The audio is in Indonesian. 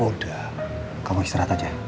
udah kamu istirahat aja